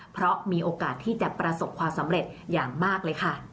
เพราะมีโอกาสที่จะประสบความสำเร็จอย่างมากเลยค่ะ